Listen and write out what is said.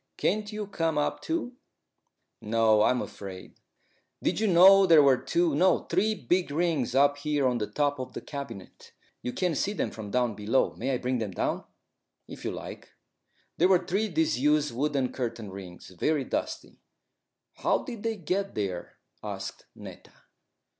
Can't you come up too?" "No; I'm afraid." "Did you know there were two no, three big rings up here on the top of the cabinet? You can't see them from down below. May I bring them down?" "If you like." They were three disused wooden curtain rings, very dusty. "How did they get there?" asked Netta.